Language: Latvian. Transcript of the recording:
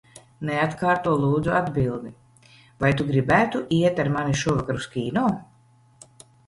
Neatkārto, lūdzu, atbildi. Vai tu gribētu iet ar mani šovakar uz kino?